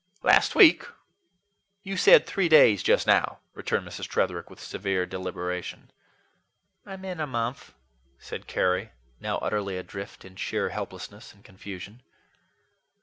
"Last week! You said three days just now," returned Mrs. Tretherick with severe deliberation. "I mean a monf," said Carry, now utterly adrift in sheer helplessness and confusion.